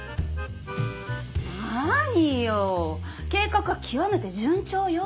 何よ計画は極めて順調よ。